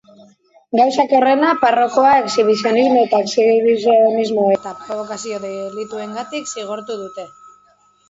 Gauzak horrela, parrokoa exhibizionismo eta exhibizionismo eta probokazio delituengatik zigortu dute.